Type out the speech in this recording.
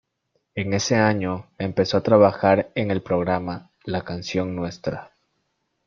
En ese año empezó a trabajar en el programa "La canción nuestra".